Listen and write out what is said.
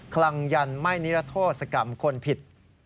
คลังยันไม่นิรโทษกรรมคนผิด